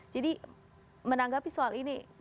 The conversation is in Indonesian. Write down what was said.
jadi menanggapi soal ini